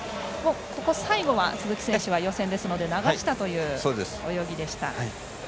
最後は鈴木選手は予選ですので流したという泳ぎでした。